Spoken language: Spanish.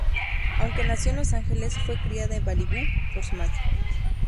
Aunque nació en Los Ángeles, fue criada en Malibú por su madre.